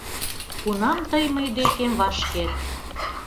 Кунам тый мый декем вашкет.